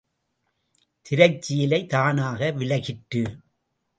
திரைச்சீலை தானாக விலகிற்று.